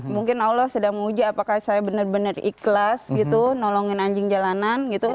mungkin allah sedang menguji apakah saya benar benar ikhlas gitu nolongin anjing jalanan gitu